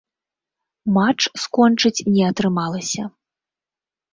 Матч скончыць не атрымалася.